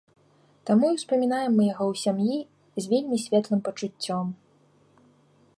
Таму і ўспамінаем мы яго ў сям'і з вельмі светлым пачуццём.